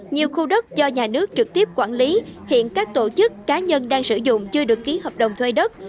nhiều khu đất do nhà nước trực tiếp quản lý hiện các tổ chức cá nhân đang sử dụng chưa được ký hợp đồng thuê đất